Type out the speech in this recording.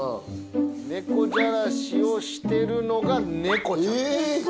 猫じゃらしをしてるのが猫ちゃんです。